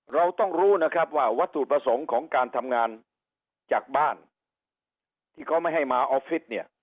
เราต้องรู้นะครับว่าวัตถุประสงค์ของการทำงานจากบ้านที่เขาไม่ให้มาออฟฟิศเนี่ย